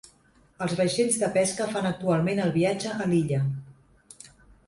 Els vaixells de pesca fan actualment el viatge a l'illa.